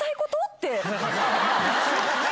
って。